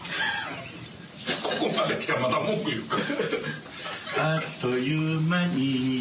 ここまで来てまだ文句言うか。